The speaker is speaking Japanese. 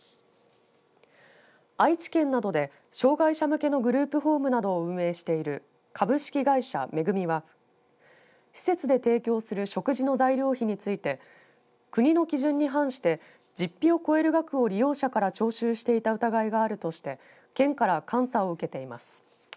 愛知県などで障害者向けのグループホームなどを運営している株式会社恵は施設で提供する食事の材料費について国の基準に反して実費を超える額を利用者から徴収していた疑いがあるとして県から監査を受けています。